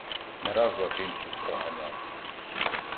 Не раз латинців проганяли